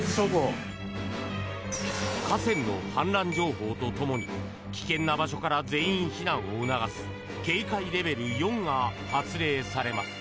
河川の氾濫情報とともに危険な場所から全員避難を促す警戒レベル４が発令されます。